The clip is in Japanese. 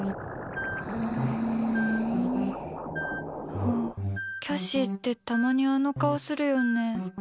あ、キャシーってたまにあの顔するよね。